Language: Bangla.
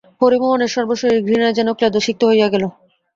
হরিমোহনের সর্বশরীর ঘৃণায় যেন ক্লেদসিক্ত হইয়া গেল।